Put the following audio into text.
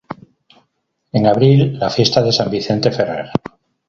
En abril la fiesta de San Vicente Ferrer.